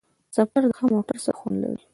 سفر د ښه موټر سره خوند لري.